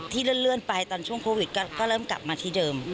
เลื่อนไปตอนช่วงโควิดก็เริ่มกลับมาที่เดิม